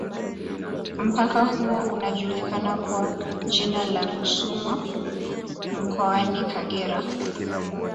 Mpaka huo unajulikana kwa jina la Rusumo mkoani Kagera